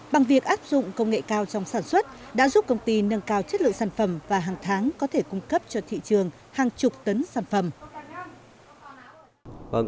bằng việc áp dụng công nghệ cao trong sản xuất đã giúp công ty nâng cao chất lượng sản phẩm và hàng tháng có thể cung cấp cho thị trường hàng chục tấn sản phẩm